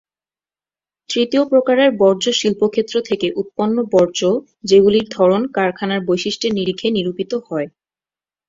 তৃতীয় প্রকারের বর্জ্য শিল্পক্ষেত্র থেকে উৎপন্ন বর্জ্য, যেগুলির ধরন কারখানার বৈশিষ্ট্যের নিরিখে নিরূপিত হয়।